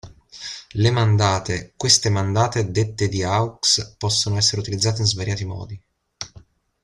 Le mandate Queste mandate dette di aux, possono essere utilizzate in svariati modi.